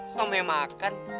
sama yang makan